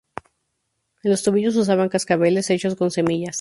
En los tobillos usaban cascabeles hechos con semillas.